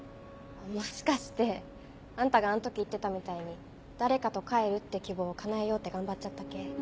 もしかしてあんたがあん時言ってたみたいに誰かと帰るって希望を叶えようって頑張っちゃった系？